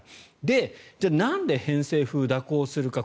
じゃあなんで偏西風蛇行するか。